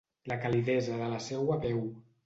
La calidesa de la seua veu.